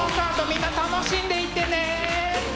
みんな楽しんでいってね！